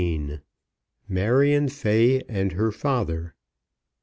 MARION FAY AND HER FATHER.